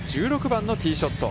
１６番のティーショット。